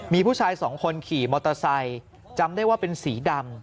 มีผู้ชายสองคนขี่มอเตอร์ไซค์จำได้ว่าเป็นสีดำ